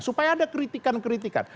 supaya ada kritikan kritikan